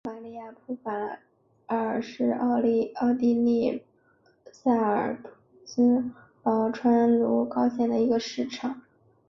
玛丽亚普法尔是奥地利萨尔茨堡州隆高县的一个市镇。